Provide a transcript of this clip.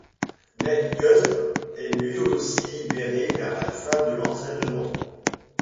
Mais Cust est lui aussi libéré vers la fin de l'entraînement.